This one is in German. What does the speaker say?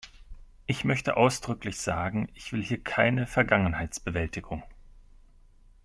Ich möchte ausdrücklich sagen, ich will hier keine Vergangenheitsbewältigung.